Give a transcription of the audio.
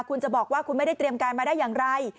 คุณจะบอกว่าคุณไม่ได้เตรียมการมาได้อย่างไร